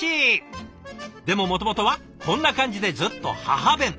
でももともとはこんな感じでずっと母弁。